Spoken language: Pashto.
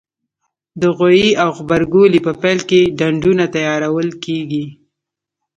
د غويي او غبرګولي په پیل کې ډنډونه تیارول کېږي.